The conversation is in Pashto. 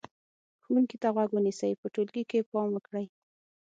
ښوونکي ته غوږ ونیسئ، په ټولګي کې پام وکړئ،